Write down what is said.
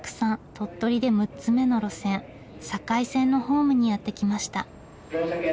鳥取で６つ目の路線境線のホームにやって来ました。